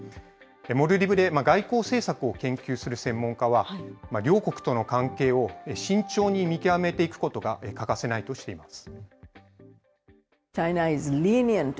モルディブで外交政策を研究する専門家は、両国との関係を慎重に見極めていくことが欠かせないとしています。